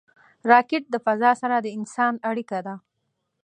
راکټ د فضا سره د انسان اړیکه ده